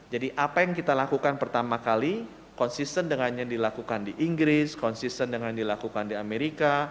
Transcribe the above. jadi apa yang kita lakukan pertama kali konsisten dengan yang dilakukan di inggris konsisten dengan yang dilakukan di amerika